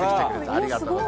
ありがとう。